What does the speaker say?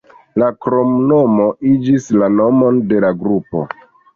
La kromnomo iĝis la nomon de la grupo.